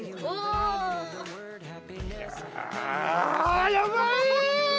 あやばい！